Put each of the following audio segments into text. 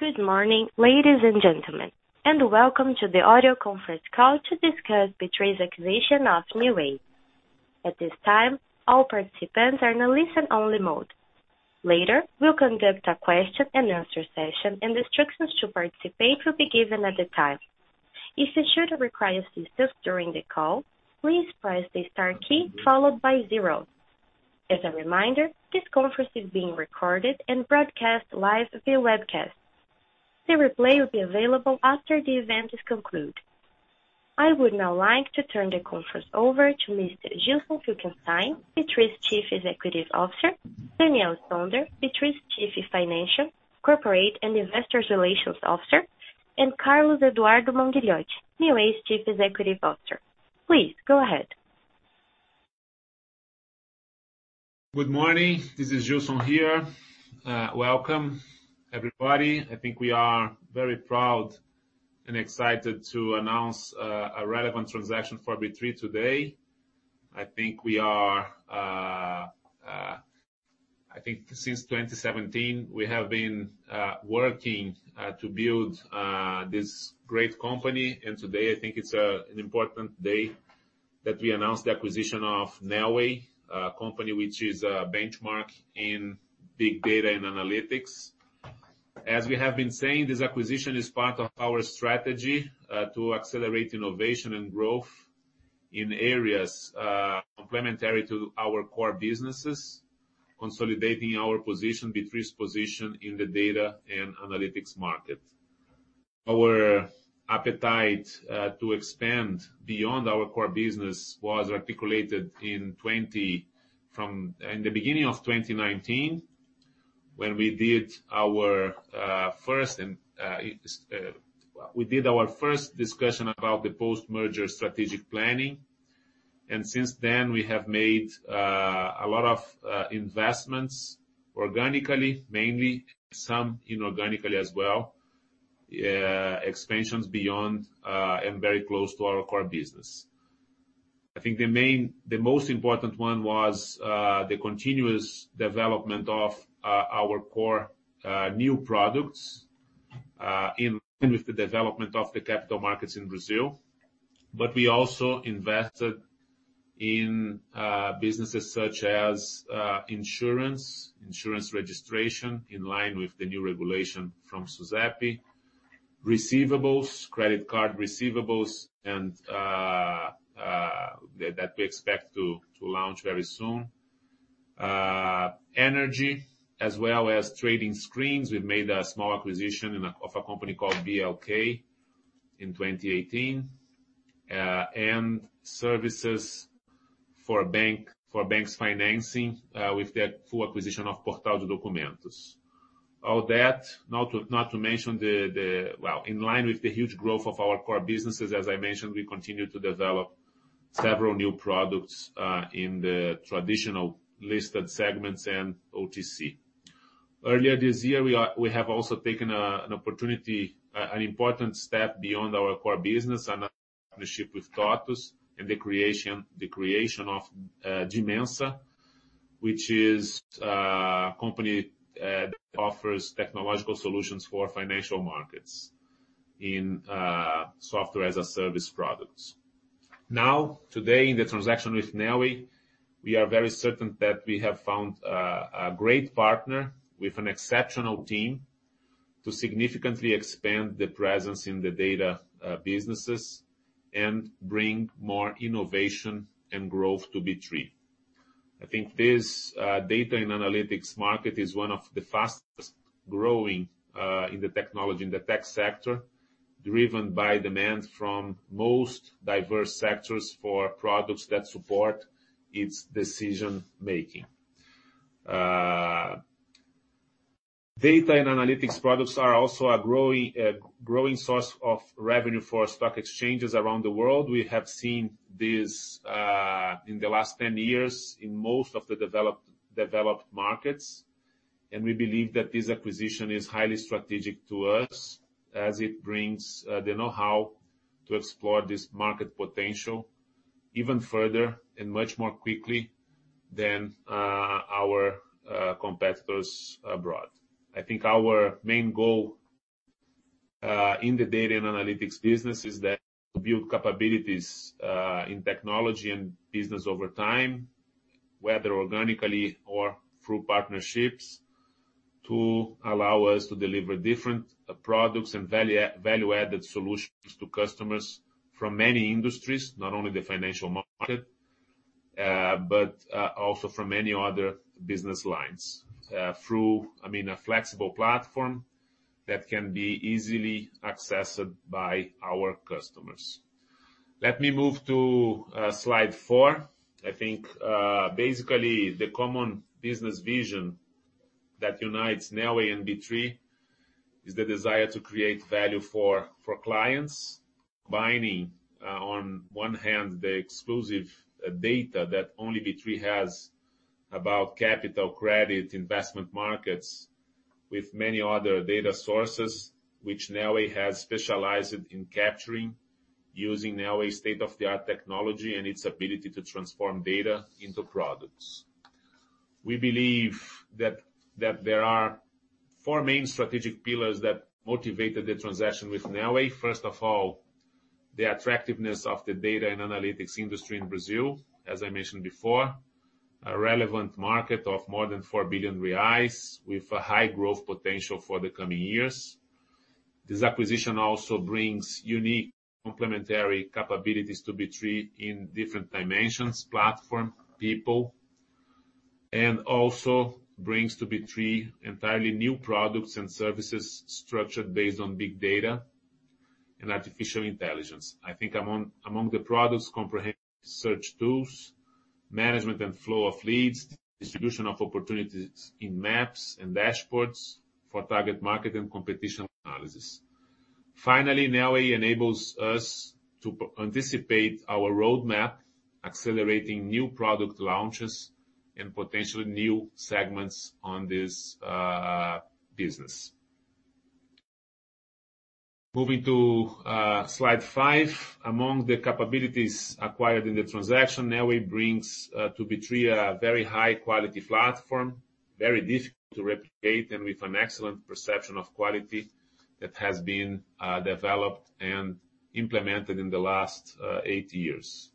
Good morning, ladies and gentlemen, and welcome to the audio conference call to discuss B3's acquisition of Neoway. At this time, all participants are in a listen-only mode. Later, we'll conduct a question-and-answer session, and instructions to participate will be given at the time. If you should require assistance during the call, please press the star key followed by zero. As a reminder, this conference is being recorded and broadcast live via webcast. The replay will be available after the event is concluded. I would now like to turn the conference over to Mr. Gilson Finkelsztain, B3's Chief Executive Officer, Daniel Sonder, B3's Chief Financial, Corporate, and Investors Relations Officer, and Carlos Eduardo Monguilhott, Neoway's Chief Executive Officer. Please go ahead. Good morning. This is Gilson here. Welcome, everybody. I think we are very proud and excited to announce a relevant transaction for B3 today. I think we are, I think since 2017, we have been working to build this great company, and today, I think it's an important day that we announce the acquisition of Neoway, a company which is a benchmark in big data and analytics. As we have been saying, this acquisition is part of our strategy to accelerate innovation and growth in areas complementary to our core businesses, consolidating our position, B3's position in the data and analytics market. Our appetite to expand beyond our core business was articulated in the beginning of 2019 when we did our first discussion about the post-merger strategic planning. Since then, we have made a lot of investments organically, mainly some inorganically as well, expansions beyond and very close to our core business. I think the most important one was the continuous development of our core new products in line with the development of the capital markets in Brazil. But we also invested in businesses such as insurance, insurance registration in line with the new regulation from SUSEP, receivables, credit card receivables, and that we expect to launch very soon. Energy, as well as trading screens. We have made a small acquisition of a company called BLK in 2018. Services for banks financing with the full acquisition of Portal de Documentos. All that, not to mention the, well, in line with the huge growth of our core businesses, as I mentioned, we continue to develop several new products in the traditional listed segments and OTC. Earlier this year, we have also taken an opportunity, an important step beyond our core business, an acquisition with TOTVS and the creation of Dimensa, which is a company that offers technological solutions for financial markets in Software as a Service products. Now, today, in the transaction with Neoway, we are very certain that we have found a great partner with an exceptional team to significantly expand the presence in the data businesses and bring more innovation and growth to B3. I think this data and analytics market is one of the fastest growing in the technology, in the tech sector, driven by demand from most diverse sectors for products that support its decision-making. Data and analytics products are also a growing source of revenue for stock exchanges around the world. We have seen this in the last 10 years in most of the developed markets. We believe that this acquisition is highly strategic to us as it brings the know-how to explore this market potential even further and much more quickly than our competitors abroad. I think our main goal in the data and analytics business is that to build capabilities in technology and business over time, whether organically or through partnerships, to allow us to deliver different products and value-added solutions to customers from many industries, not only the financial market, but also from many other business lines through, I mean, a flexible platform that can be easily accessed by our customers. Let me move to slide four. I think basically the common business vision that unites Neoway and B3 is the desire to create value for clients, combining on one hand the exclusive data that only B3 has about capital, credit, investment markets with many other data sources, which Neoway has specialized in capturing using Neoway's state-of-the-art technology and its ability to transform data into products. We believe that there are four main strategic pillars that motivated the transaction with Neoway. First of all, the attractiveness of the data and analytics industry in Brazil, as I mentioned before, a relevant market of more than 4 billion reais with a high growth potential for the coming years. This acquisition also brings unique complementary capabilities to B3 in different dimensions, platform, people, and also brings to B3 entirely new products and services structured based on big data and artificial intelligence. I think among the products, comprehensive search tools, management and flow of leads, distribution of opportunities in maps and dashboards for target market and competition analysis. Finally, Neoway enables us to anticipate our roadmap, accelerating new product launches and potentially new segments on this business. Moving to slide five, among the capabilities acquired in the transaction, Neoway brings to B3 a very high-quality platform, very difficult to replicate, and with an excellent perception of quality that has been developed and implemented in the last eight years.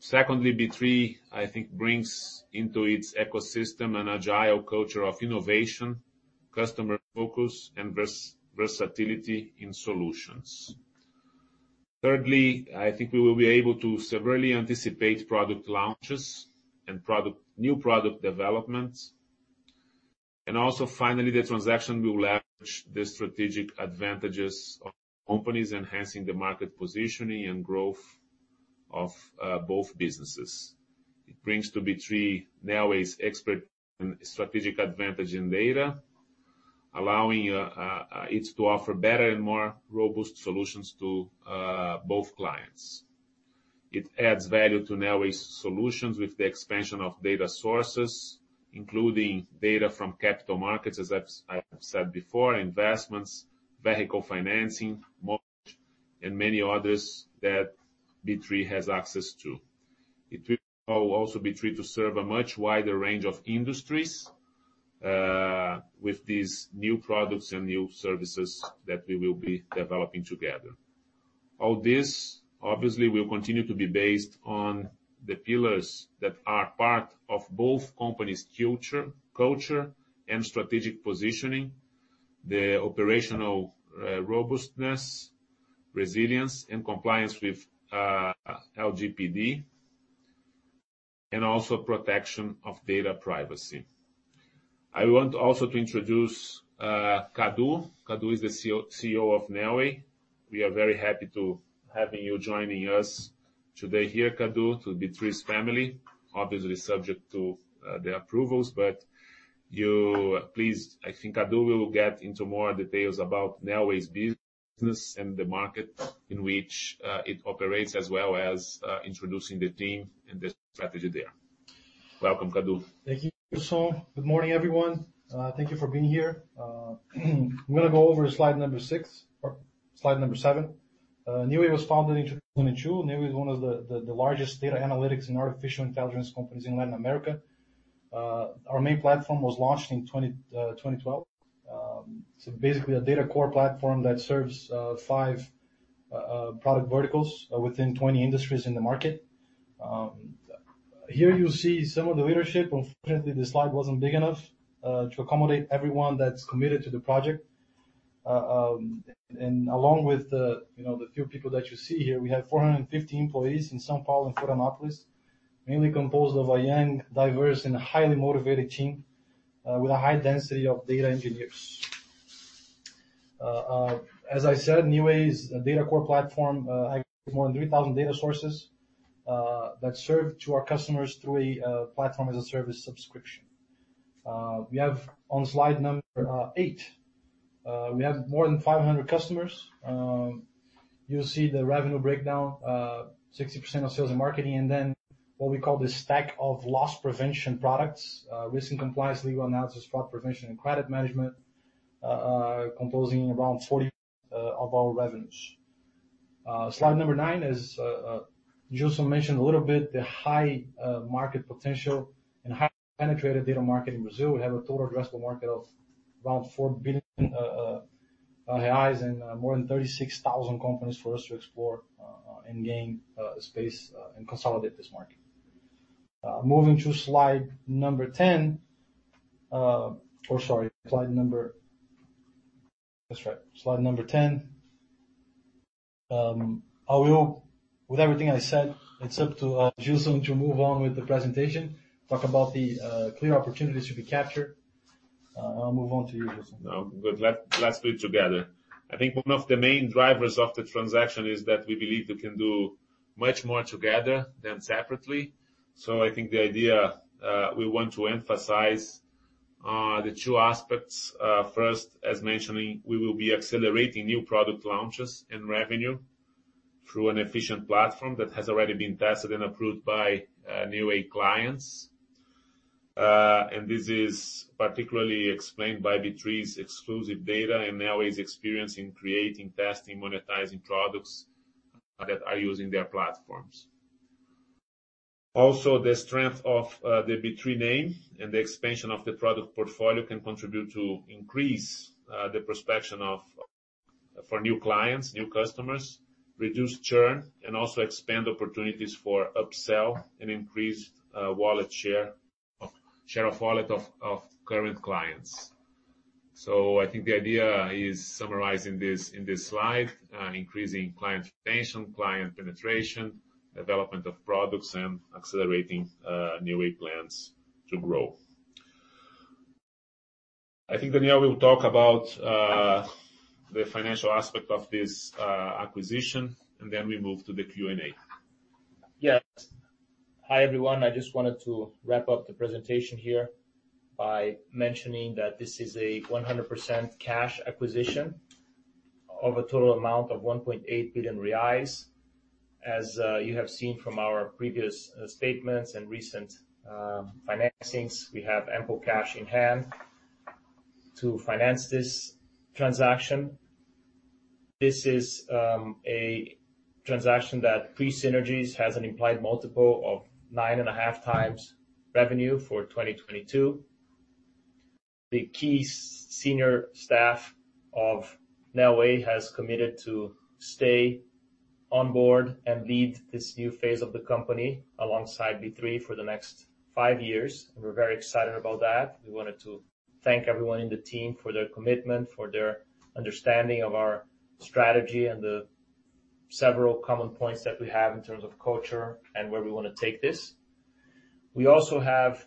Secondly, B3, I think, brings into its ecosystem an agile culture of innovation, customer focus, and versatility in solutions. Thirdly, I think we will be able to severely anticipate product launches and new product developments. And also, finally, the transaction will leverage the strategic advantages of companies enhancing the market positioning and growth of both businesses. It brings to B3 Neoway's expertise and strategic advantage in data, allowing it to offer better and more robust solutions to both clients. It adds value to Neoway's solutions with the expansion of data sources, including data from capital markets, as I've said before, investments, vehicle financing, mortgage, and many others that B3 has access to. It will also be treated to serve a much wider range of industries with these new products and new services that we will be developing together. All this, obviously, will continue to be based on the pillars that are part of both companies' culture and strategic positioning, the operational robustness, resilience, and compliance with LGPD, and also protection of data privacy. I want also to introduce Kadu. Kadu is the CEO of Neoway. We are very happy to have you joining us today here, Kadu, to B3's family. Obviously, subject to the approvals, but please, I think Kadu will get into more details about Neoway's business and the market in which it operates, as well as introducing the team and the strategy there. Welcome, Kadu. Thank you, Gilson. Good morning, everyone. Thank you for being here. I'm going to go over slide number six, or slide number seven. Neoway was founded in 2002. Neoway is one of the largest data analytics and artificial intelligence companies in Latin America. Our main platform was launched in 2012. It's basically a data core platform that serves five product verticals within 20 industries in the market. Here you'll see some of the leadership. Unfortunately, the slide wasn't big enough to accommodate everyone that's committed to the project. And along with the few people that you see here, we have 450 employees in São Paulo and Florianópolis, mainly composed of a young, diverse, and highly motivated team with a high density of data engineers. As I said, Neoway's data core platform has more than 3,000 data sources that serve to our customers through a Platform as a Service subscription. We have on slide number eight, we have more than 500 customers. You'll see the revenue breakdown, 60% of sales and marketing, and then what we call the stack of loss prevention products, risk and compliance, legal analysis, fraud prevention, and credit management, composing around 40% of our revenues. Slide number nine, as Gilson mentioned a little bit, the high market potential and high penetrated data market in Brazil. We have a total addressable market of around 4 billion reais and more than 36,000 companies for us to explore and gain space and consolidate this market. Moving to slide number 10, or sorry, slide number, that's right, slide number 10. With everything I said, it's up to Gilson to move on with the presentation, talk about the clear opportunities to be captured. I'll move on to you, Gilson. No, good. Let's do it together. I think one of the main drivers of the transaction is that we believe we can do much more together than separately. So I think the idea we want to emphasize are the two aspects. First, as mentioned, we will be accelerating new product launches and revenue through an efficient platform that has already been tested and approved by Neoway clients. And this is particularly explained by B3's exclusive data and Neoway's experience in creating, testing, and monetizing products that are used in their platforms. Also, the strength of the B3 name and the expansion of the product portfolio can contribute to increase the prospection for new clients, new customers, reduce churn, and also expand opportunities for upsell and increased share of wallet of current clients. I think the idea is summarized in this slide: increasing client retention, client penetration, development of products, and accelerating Neoway plans to grow. I think Daniel will talk about the financial aspect of this acquisition, and then we move to the Q&A. Yes. Hi, everyone. I just wanted to wrap up the presentation here by mentioning that this is a 100% cash acquisition of a total amount of 1.8 billion reais. As you have seen from our previous statements and recent financings, we have ample cash in hand to finance this transaction. This is a transaction that pre synergies has an implied multiple of nine and a half times revenue for 2022. The key senior staff of Neoway has committed to stay on board and lead this new phase of the company alongside B3 for the next five years. And we're very excited about that. We wanted to thank everyone in the team for their commitment, for their understanding of our strategy and the several common points that we have in terms of culture and where we want to take this. We also have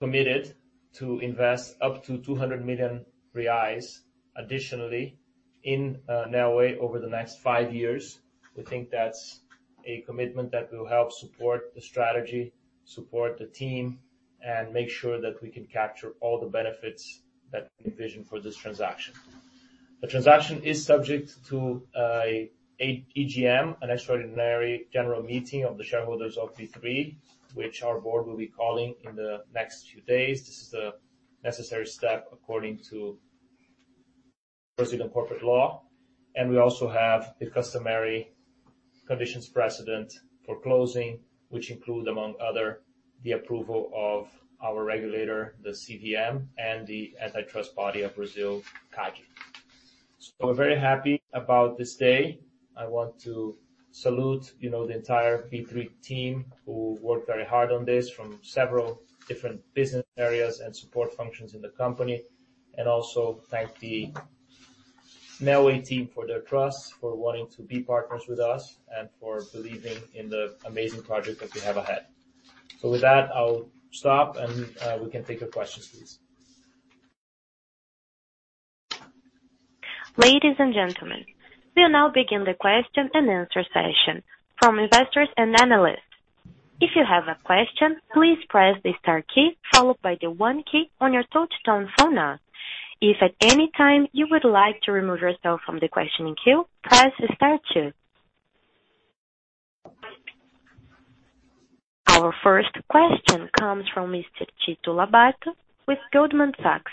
committed to invest up to 200 million reais additionally in Neoway over the next five years. We think that's a commitment that will help support the strategy, support the team, and make sure that we can capture all the benefits that we envision for this transaction. The transaction is subject to an EGM, an Extraordinary General Meeting of the shareholders of B3, which our board will be calling in the next few days. This is a necessary step according to Brazilian corporate law. We also have the customary conditions precedent for closing, which include, among others, the approval of our regulator, the CVM, and the antitrust body of Brazil, CADE. We're very happy about this day. I want to salute the entire B3 team who worked very hard on this from several different business areas and support functions in the company, and also thank the Neoway team for their trust, for wanting to be partners with us, and for believing in the amazing project that we have ahead. So with that, I'll stop, and we can take your questions, please. Ladies and gentlemen, we'll now begin the question-and-answer session from investors and analysts. If you have a question, please press the star key followed by the one key on your touch-tone phone app. If at any time you would like to remove yourself from the questioning queue, press star two. Our first question comes from Mr. Tito Labarta with Goldman Sachs.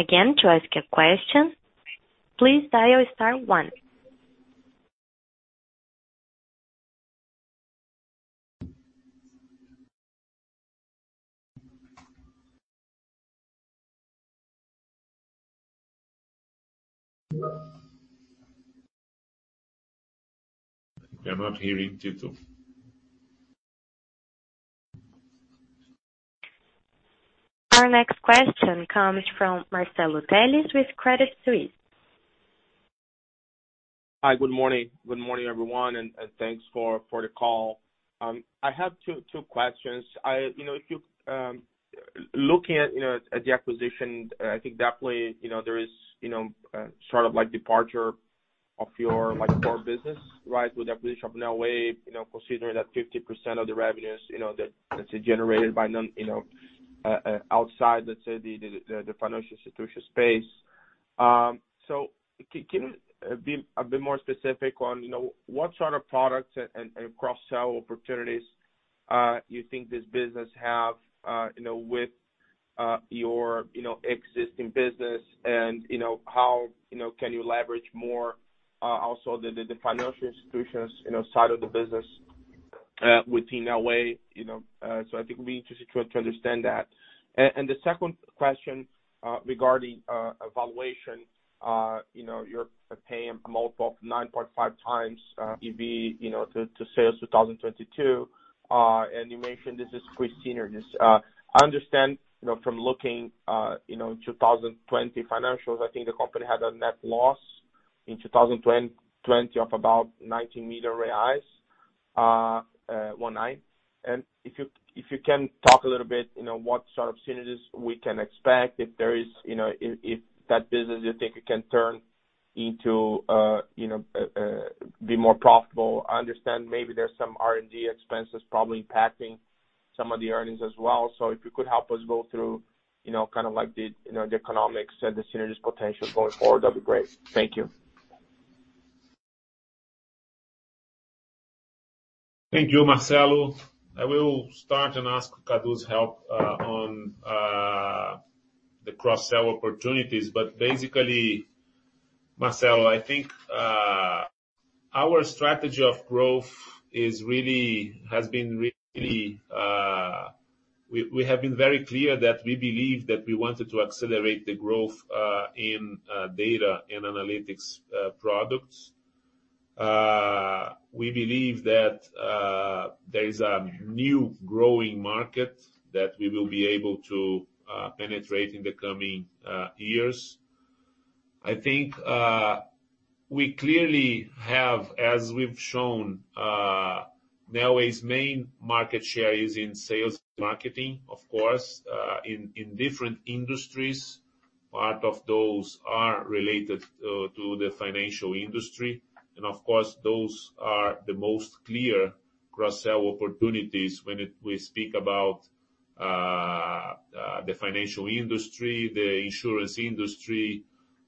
Again, to ask your question, please dial star one. I'm not hearing Tito. Our next question comes from Marcelo Telles with Credit Suisse. Hi, good morning. Good morning, everyone, and thanks for the call. I have two questions. If you're looking at the acquisition, I think definitely there is sort of departure of your core business, right, with the acquisition of Neoway, considering that 50% of the revenues that's generated by outside, let's say, the financial institution space. So can you be a bit more specific on what sort of products and cross-sell opportunities you think this business has with your existing business, and how can you leverage more also the financial institutions side of the business within Neoway? So I think it would be interesting to understand that. And the second question regarding valuation, you're paying a multiple of 9.5x EV to sales 2022, and you mentioned this is pre-synergies. I understand from looking in 2020 financials, I think the company had a net loss in 2020 of about 19 million reais, one nine. And if you can talk a little bit what sort of synergies we can expect, if that business you think it can turn into be more profitable, I understand maybe there's some R&D expenses probably impacting some of the earnings as well. So if you could help us go through kind of the economics and the synergies potential going forward, that'd be great. Thank you. Thank you, Marcelo. I will start and ask Kadu's help on the cross-sell opportunities, but basically, Marcelo, I think our strategy of growth has been really we have been very clear that we believe that we wanted to accelerate the growth in data and analytics products. We believe that there is a new growing market that we will be able to penetrate in the coming years. I think we clearly have, as we've shown, Neoway's main market share is in sales and marketing, of course, in different industries. Part of those are related to the financial industry, and of course, those are the most clear cross-sell opportunities when we speak about the financial industry, the insurance industry,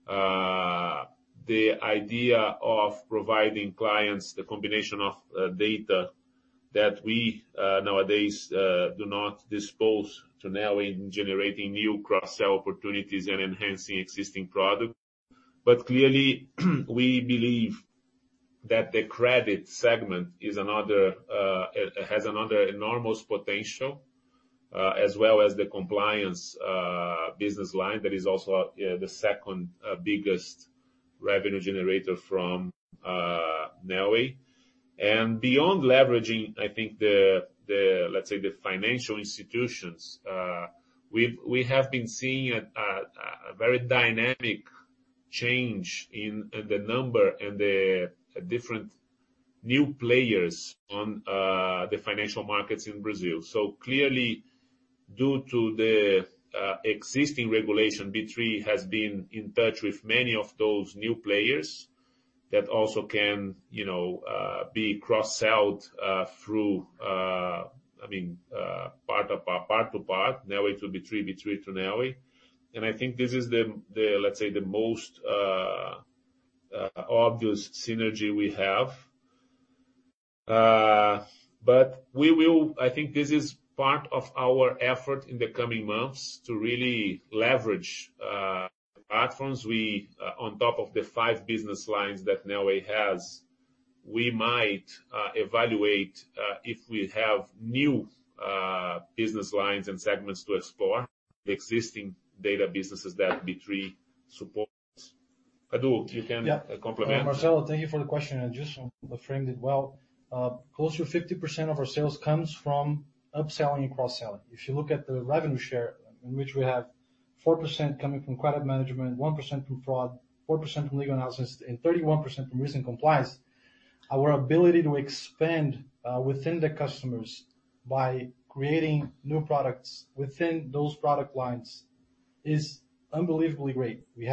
the idea of providing clients the combination of data that we nowadays do not dispose to Neoway in generating new cross-sell opportunities and enhancing existing products. But clearly, we believe that the credit segment has another enormous potential, as well as the compliance business line that is also the second biggest revenue generator from Neoway. And beyond leveraging, I think, let's say, the financial institutions, we have been seeing a very dynamic change in the number and the different new players on the financial markets in Brazil. So clearly, due to the existing regulation, B3 has been in touch with many of those new players that also can be cross-sold through, I mean, part-to-part, Neoway to B3, B3 to Neoway. And I think this is the, let's say, the most obvious synergy we have. But I think this is part of our effort in the coming months to really leverage platforms. On top of the five business lines that Neoway has, we might evaluate if we have new business lines and segments to explore the existing data businesses that B3 supports. Kadu, you can complement. Yeah. Marcelo, thank you for the question. And Gilson framed it well. Close to 50% of our sales comes from upselling and cross-selling. If you look at the revenue share, in which we have 4% coming from credit management, 1% from fraud, 4% from legal analysis, and 31% from risk and compliance, our ability to expand within the customers by creating new products within those product lines is unbelievably great. We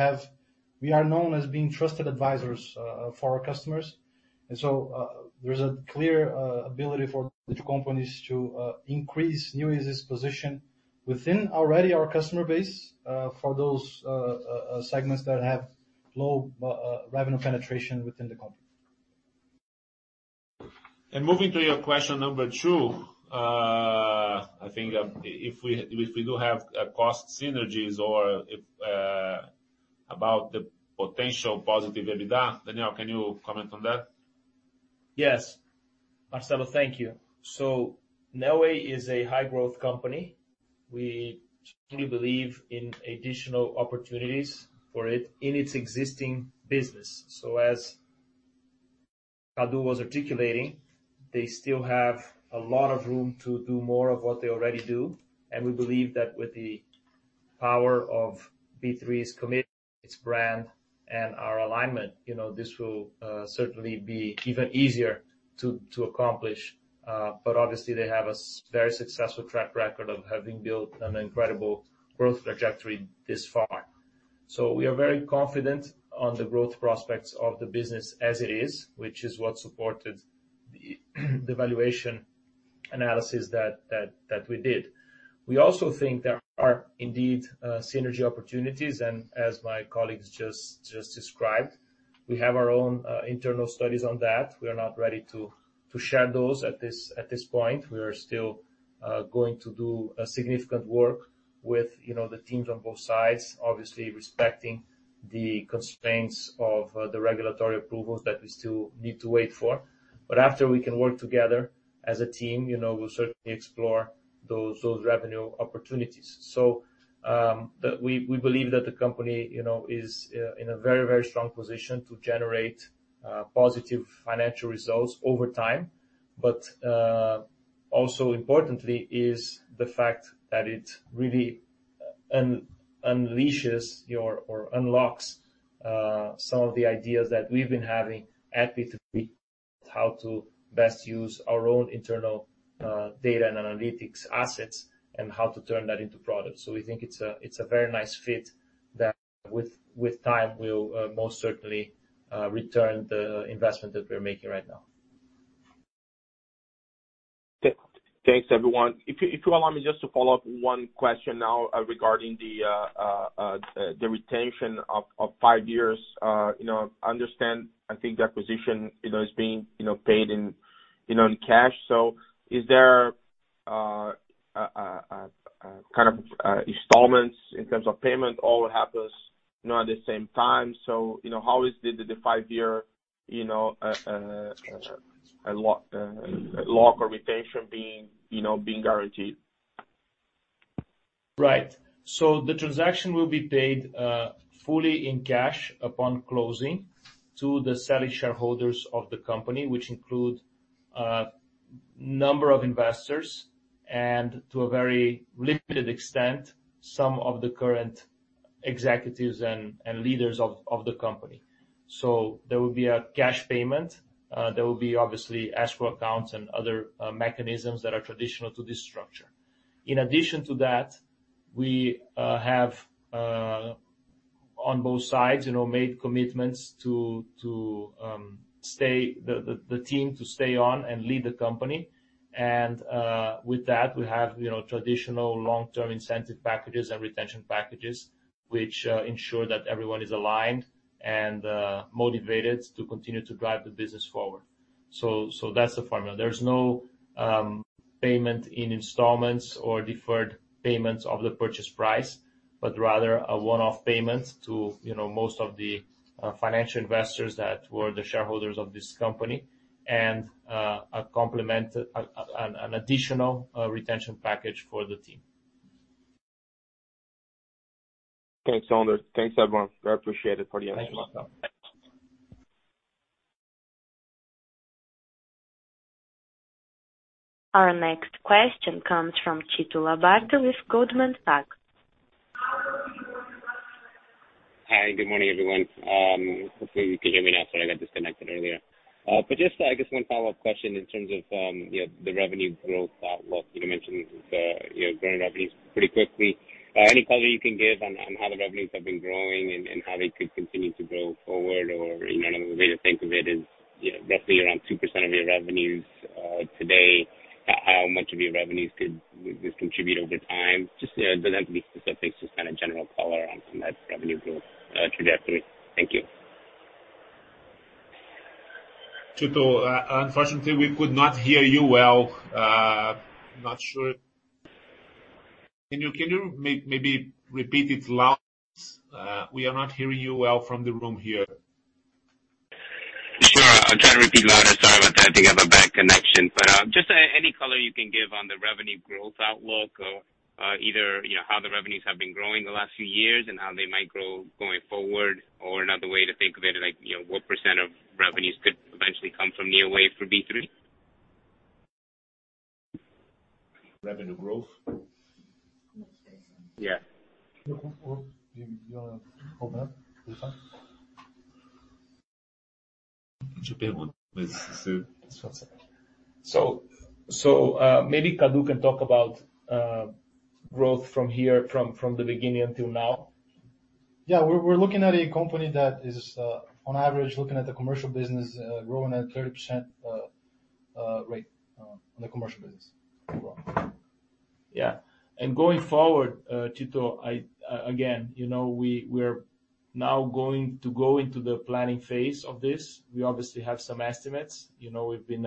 are known as being trusted advisors for our customers. And so there's a clear ability for the two companies to increase Neoway's position within already our customer base for those segments that have low revenue penetration within the company. Moving to your question number two, I think if we do have cost synergies or about the potential positive EBITDA, Daniel, can you comment on that? Yes. Marcelo, thank you. So Neoway is a high-growth company. We truly believe in additional opportunities for it in its existing business. So as Kadu was articulating, they still have a lot of room to do more of what they already do. And we believe that with the power of B3's commitment, its brand, and our alignment, this will certainly be even easier to accomplish. But obviously, they have a very successful track record of having built an incredible growth trajectory this far. So we are very confident on the growth prospects of the business as it is, which is what supported the valuation analysis that we did. We also think there are indeed synergy opportunities. And as my colleagues just described, we have our own internal studies on that. We are not ready to share those at this point. We are still going to do significant work with the teams on both sides, obviously respecting the constraints of the regulatory approvals that we still need to wait for. But after we can work together as a team, we'll certainly explore those revenue opportunities. So we believe that the company is in a very, very strong position to generate positive financial results over time. But also importantly is the fact that it really unleashes or unlocks some of the ideas that we've been having at B3, how to best use our own internal data and analytics assets and how to turn that into products. So we think it's a very nice fit that with time will most certainly return the investment that we're making right now. Thanks, everyone. If you allow me just to follow up one question now regarding the retention of five years. I understand, I think the acquisition is being paid in cash. So is there kind of installments in terms of payment? All happens at the same time? So how is the five-year lock or retention being guaranteed? Right. So the transaction will be paid fully in cash upon closing to the selling shareholders of the company, which include a number of investors and to a very limited extent, some of the current executives and leaders of the company. So there will be a cash payment. There will be obviously escrow accounts and other mechanisms that are traditional to this structure. In addition to that, we have on both sides made commitments to retain the team to stay on and lead the company. And with that, we have traditional long-term incentive packages and retention packages, which ensure that everyone is aligned and motivated to continue to drive the business forward. So that's the formula. There's no payment in installments or deferred payments of the purchase price, but rather a one-off payment to most of the financial investors that were the shareholders of this company and an additional retention package for the team. Thanks, Sonder. Thanks, everyone. I appreciate it for the answers. Thank you. Our next question comes from Tito Labarta with Goldman Sachs. Hi, good morning, everyone. Hopefully, you can hear me now, so I got disconnected earlier. But just, I guess, one follow-up question in terms of the revenue growth outlook. You mentioned growing revenues pretty quickly. Any color you can give on how the revenues have been growing and how they could continue to grow forward or another way to think of it is roughly around 2% of your revenues today. How much of your revenues could this contribute over time? Just doesn't have to be specific, just kind of general color on that revenue growth trajectory. Thank you. Tito, unfortunately, we could not hear you well. Not sure. Can you maybe repeat it loud? We are not hearing you well from the room here. Sure. I'll try to repeat louder. Sorry about that. I think I have a bad connection. But just any color you can give on the revenue growth outlook or either how the revenues have been growing the last few years and how they might grow going forward or another way to think of it, like what percent of revenues could eventually come from Neoway for B3? Revenue growth. Yeah. You want to open up? It's a big one. So maybe Kadu can talk about growth from here, from the beginning until now. Yeah. We're looking at a company that is, on average, looking at the commercial business, growing at a 30% rate on the commercial business overall. Yeah. And going forward, Tito, again, we are now going to go into the planning phase of this. We obviously have some estimates. We've been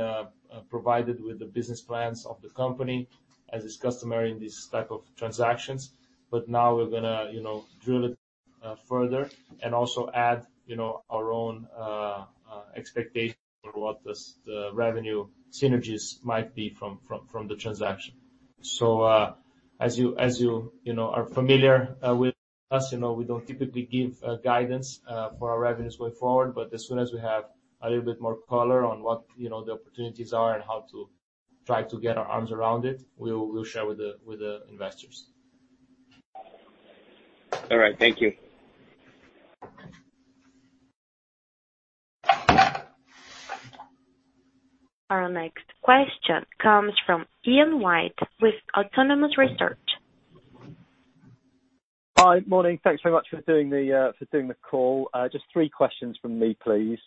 provided with the business plans of the company as its customer in these types of transactions. But now we're going to drill it further and also add our own expectation for what the revenue synergies might be from the transaction. So as you are familiar with us, we don't typically give guidance for our revenues going forward. But as soon as we have a little bit more color on what the opportunities are and how to try to get our arms around it, we'll share with the investors. All right. Thank you. Our next question comes from Ian White with Autonomous Research. Hi, good morning. Thanks very much for doing the call. Just three questions from me, please.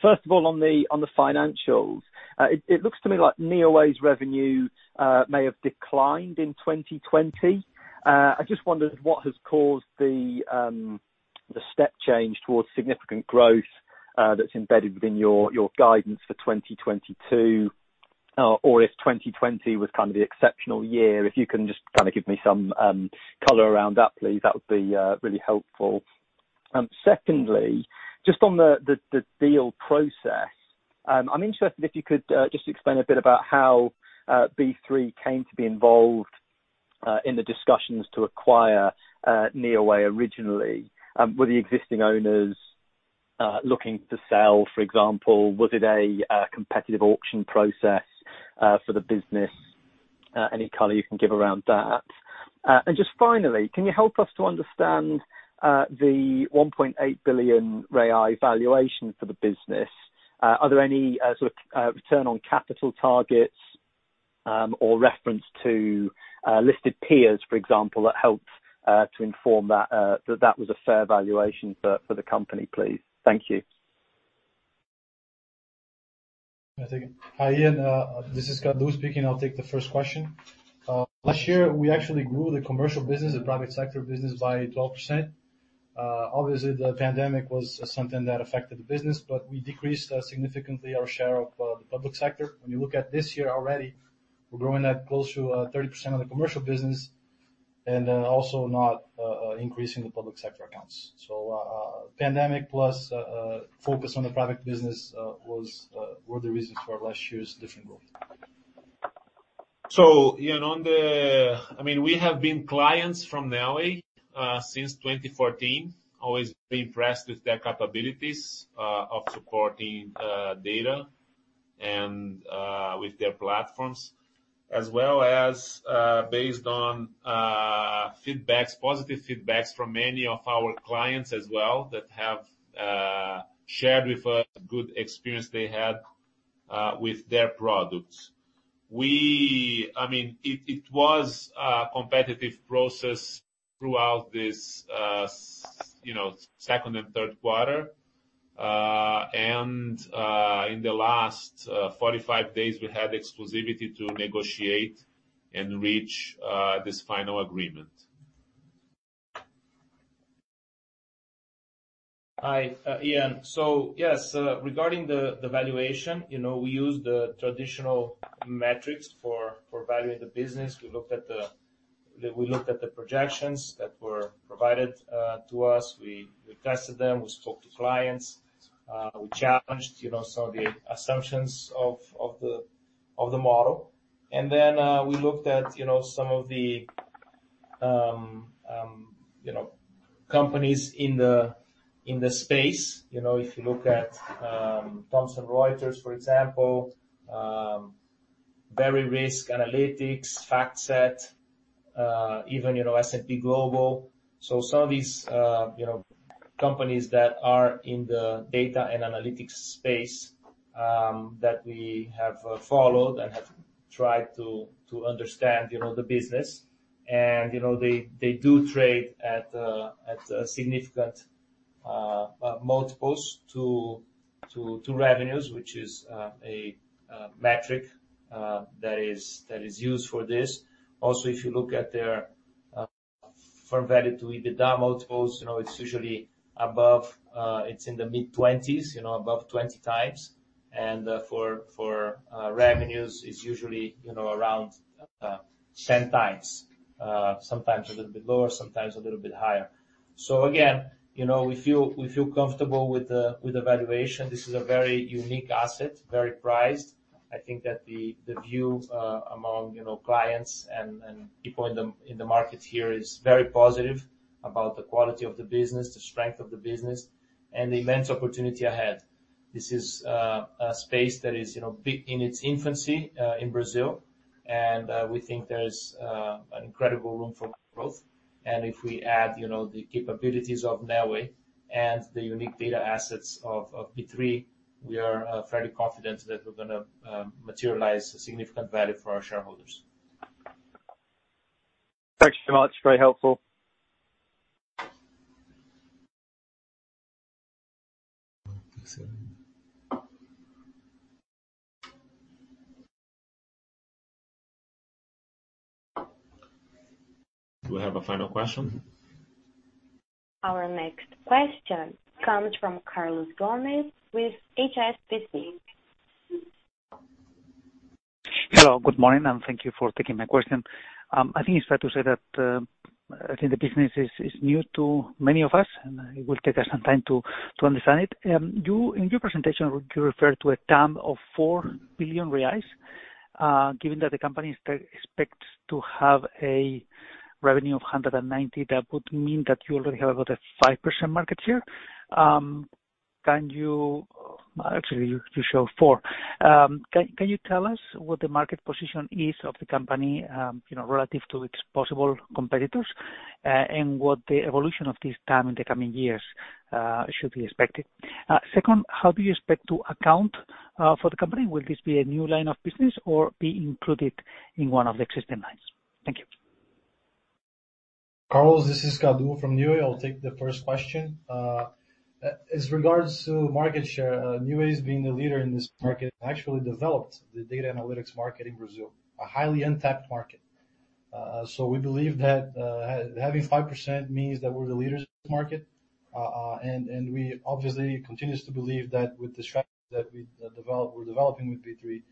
First of all, on the financials, it looks to me like Neoway's revenue may have declined in 2020. I just wondered what has caused the step change towards significant growth that's embedded within your guidance for 2022 or if 2020 was kind of the exceptional year. If you can just kind of give me some color around that, please, that would be really helpful. Secondly, just on the deal process, I'm interested if you could just explain a bit about how B3 came to be involved in the discussions to acquire Neoway originally. Were the existing owners looking to sell, for example? Was it a competitive auction process for the business? Any color you can give around that. Just finally, can you help us understand the 1.8 billion valuation for the business? Are there any sort of return on capital targets or reference to listed peers, for example, that helped to inform that that was a fair valuation for the company, please? Thank you. Hi, Ian. This is Kadu speaking. I'll take the first question. Last year, we actually grew the commercial business, the private sector business, by 12%. Obviously, the pandemic was something that affected the business, but we decreased significantly our share of the public sector. When you look at this year already, we're growing at close to 30% of the commercial business and also not increasing the public sector accounts. So pandemic plus focus on the private business were the reasons for last year's different growth. I mean, we have been clients from Neoway since 2014, always been impressed with their capabilities of supporting data and with their platforms, as well as based on positive feedbacks from many of our clients as well that have shared with us good experience they had with their products. I mean, it was a competitive process throughout this second and third quarter. In the last 45 days, we had exclusivity to negotiate and reach this final agreement. Hi, Ian. So yes, regarding the valuation, we used the traditional metrics for valuing the business. We looked at the projections that were provided to us. We tested them. We spoke to clients. We challenged some of the assumptions of the model. And then we looked at some of the companies in the space. If you look at Thomson Reuters, for example, Verisk Analytics, FactSet, even S&P Global. So some of these companies that are in the data and analytics space that we have followed and have tried to understand the business. And they do trade at significant multiples to revenues, which is a metric that is used for this. Also, if you look at their firm value to EBITDA multiples, it's usually above; it's in the mid-20s, above 20x. And for revenues, it's usually around 10x, sometimes a little bit lower, sometimes a little bit higher. So again, we feel comfortable with the valuation. This is a very unique asset, very prized. I think that the view among clients and people in the market here is very positive about the quality of the business, the strength of the business, and the immense opportunity ahead. This is a space that is in its infancy in Brazil, and we think there's an incredible room for growth. And if we add the capabilities of Neoway and the unique data assets of B3, we are fairly confident that we're going to materialize significant value for our shareholders. Thanks so much. Very helpful. Do we have a final question? Our next question comes from Carlos Gomez with HSBC. Hello, good morning, and thank you for taking my question. I think it's fair to say that I think the business is new to many of us, and it will take us some time to understand it. In your presentation, you referred to a TAM of 4 billion reais. Given that the company expects to have a revenue of 190, that would mean that you already have about a 5% market share. Actually, you show 4%. Can you tell us what the market position is of the company relative to its possible competitors and what the evolution of this TAM in the coming years should be expected? Second, how do you expect to account for the company? Will this be a new line of business or be included in one of the existing lines? Thank you. Carlos, this is Kadu from Neoway. I'll take the first question. As regards to market share, Neoway, being the leader in this market, actually developed the data analytics market in Brazil, a highly untapped market. So we believe that having 5% means that we're the leaders of this market. And we obviously continue to believe that with the strategy that we're developing with B3,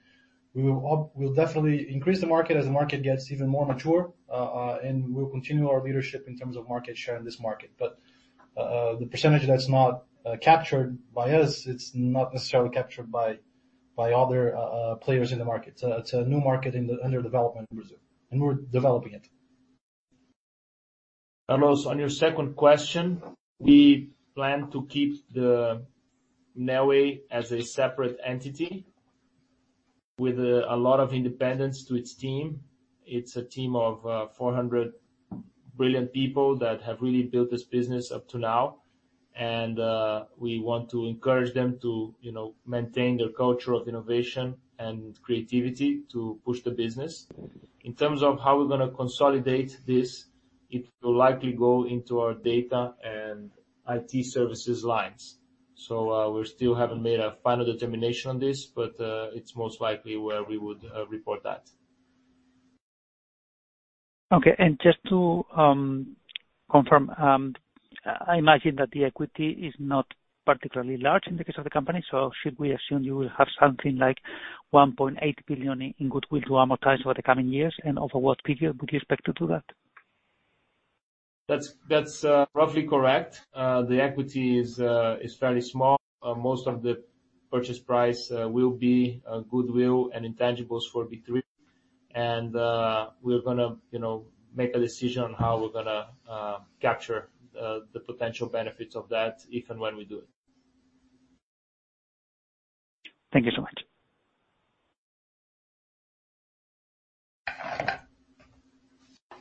we will definitely increase the market as the market gets even more mature, and we'll continue our leadership in terms of market share in this market. But the percentage that's not captured by us, it's not necessarily captured by other players in the market. It's a new market under development in Brazil, and we're developing it. Carlos, on your second question, we plan to keep Neoway as a separate entity with a lot of independence to its team. It's a team of 400 brilliant people that have really built this business up to now. And we want to encourage them to maintain their culture of innovation and creativity to push the business. In terms of how we're going to consolidate this, it will likely go into our data and IT services lines. So we still haven't made a final determination on this, but it's most likely where we would report that. Okay. And just to confirm, I imagine that the equity is not particularly large in the case of the company. So should we assume you will have something like 1.8 billion in goodwill to amortize over the coming years and over what period would you expect to do that? That's roughly correct. The equity is fairly small. Most of the purchase price will be goodwill and intangibles for B3. And we're going to make a decision on how we're going to capture the potential benefits of that if and when we do it. Thank you so much.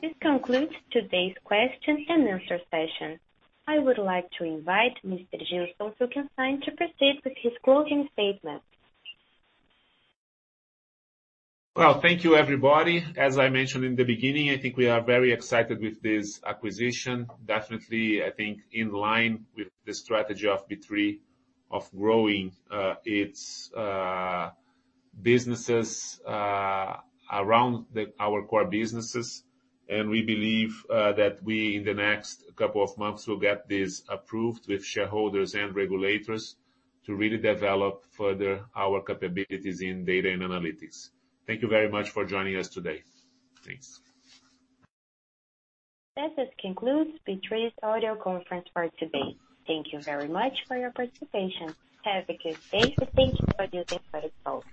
This concludes today's question-and-answer session. I would like to invite Mr. Gilson Finkelsztain to proceed with his closing statement. Thank you, everybody. As I mentioned in the beginning, I think we are very excited with this acquisition. Definitely, I think in line with the strategy of B3 of growing its businesses around our core businesses. We believe that we, in the next couple of months, will get this approved with shareholders and regulators to really develop further our capabilities in data and analytics. Thank you very much for joining us today. Thanks. This concludes B3's audio conference for today. Thank you very much for your participation. Have a good day and thank you for using [Chorus Call].